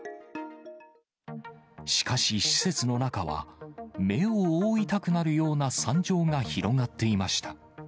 しかし施設の中は、目を覆いたくなるような惨状が広がっていました。